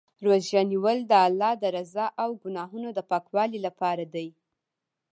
روژه نیول د الله د رضا او ګناهونو د پاکولو لپاره دی.